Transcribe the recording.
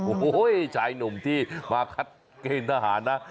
โอ้โหชายหนุ่มที่มาคัดเกณฑ์ทหารนะ